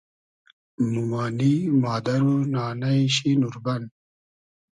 مومانی ، مادئر و نانݷ شی نوربئن